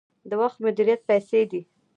د وخت مدیریت پیسې دي